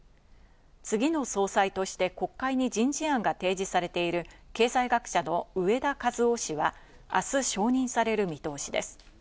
次の総裁として国会に人事案が提出されている経済学者の植田和男氏は、明日、承認される見通しです。